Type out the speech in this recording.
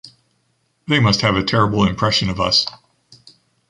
They must have a terrible impression of us.